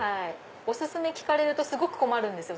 お薦め聞かれるとすごく困るんですよ